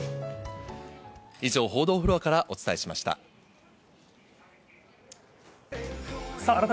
以上、報道フロアからお伝えしました。